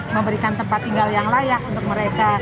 memberikan tempat tinggal yang layak untuk mereka